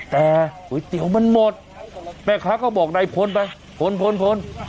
แต่ก๋วยเตี๋ยวมันหมดแม่ค้าก็บอกนายพลไปพลพล